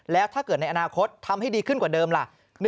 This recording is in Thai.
แล้วถ้าเกิดในอนาคตทำให้ดีขึ้นกว่าเดิมล่ะ